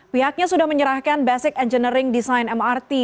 pihaknya sudah menyerahkan basic engineering design mrt